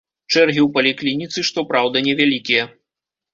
Чэргі ў паліклініцы, што праўда, невялікія.